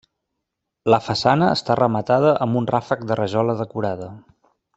La façana està rematada amb un ràfec de rajola decorada.